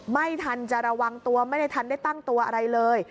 ไม่ทันจะระวังตัวไม่ได้ทันได้ตั้งตัวอะไรเลย